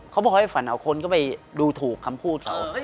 เขาบอกให้ฝันเขาคนก็ไปดูถูกคำพูดเขา